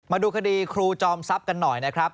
มาดูคดีครูจอมทรัพย์กันหน่อยนะครับ